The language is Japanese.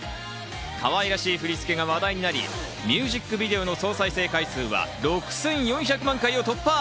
かわいらしい振り付けが話題になり、ミュージックビデオの総再生回数は６４００万回を突破。